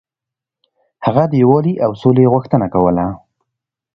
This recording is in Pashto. هغه د یووالي او سولې غوښتنه کوله.